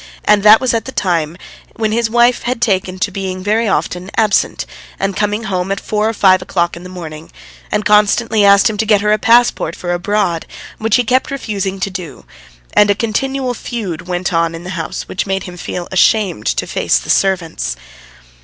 And that was at the time when his wife had taken to being very often absent and coming home at four or five o'clock in the morning, and was constantly asking him to get her a passport for abroad, which he kept refusing to do; and a continual feud went on in the house which made him feel ashamed to face the servants.